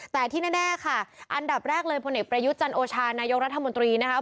แต่ที่แน่ค่ะอันดับแรกเลยพลเอกประยุทธ์จันโอชานายกรัฐมนตรีนะคะ